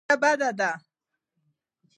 وېره بده ده.